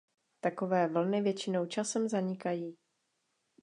Takové vlny většinou časem zanikají.